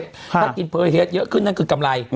ถ้ากินเพอร์เฮสเยอะขึ้นนั่นคือกำไร